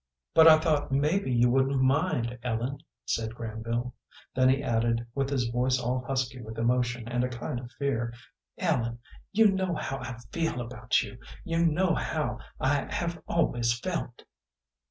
"But I thought maybe you wouldn't mind, Ellen," said Granville. Then he added, with his voice all husky with emotion and a kind of fear: "Ellen, you know how I feel about you. You know how I have always felt."